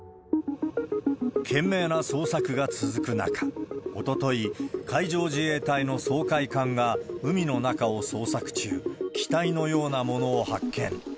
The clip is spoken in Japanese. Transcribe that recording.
懸命な捜索が続く中、おととい、海上自衛隊の掃海艦が海の中を捜索中、機体のようなものを発見。